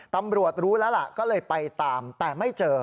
ตำรวจรู้แล้วล่ะก็เลยไปตามแต่ไม่เจอ